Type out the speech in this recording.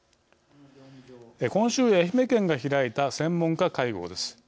今週、愛媛県が開いた専門家会合です。